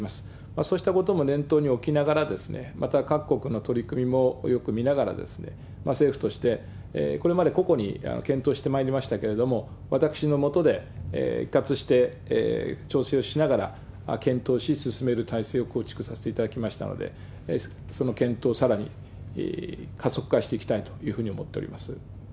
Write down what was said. そうしたことも念頭に置きながら、また各国の取り組みもよく見ながら、政府としてこれまで個々に検討してまいりましたけれども、私の下で一括して調整をしながら検討し、進める体制を構築させていただきましたので、その検討をさらに加速化していきたいというふうに思っております。